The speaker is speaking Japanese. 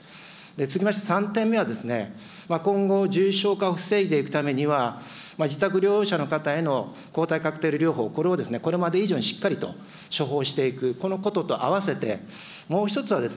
続きまして３点目はですね、今後、重症化を防いでいくためには、自宅療養者の方への抗体カクテル療法、これをこれまで以上にしっかりと処方していく、このことと合わせてもう一つは